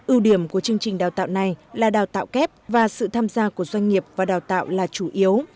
ưu điểm của chương trình đào tạo này là đào tạo kép và sự tham gia của doanh nghiệp và đào tạo là chủ yếu